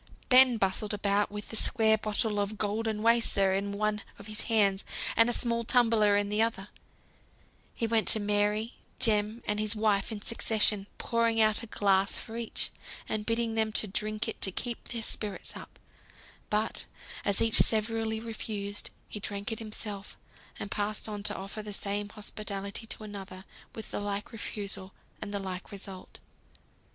Ben bustled about with the square bottle of Goldenwasser in one of his hands, and a small tumbler in the other; he went to Mary, Jem, and his wife in succession, pouring out a glass for each and bidding them drink it to keep their spirits up: but as each severally refused, he drank it himself; and passed on to offer the same hospitality to another with the like refusal, and the like result.